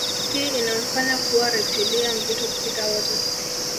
Hii inamfanya kuwa reptilia mzito kupita wote